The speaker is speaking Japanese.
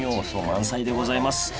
満載でございます。